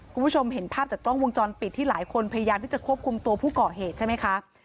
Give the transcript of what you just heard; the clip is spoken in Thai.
คุณผู้ชมเห็นภาพจากกล้องวงจรปิดที่หลายคนพยายามที่จะควบคุมตัวผู้ก่อเหตุใช่ไหมคะ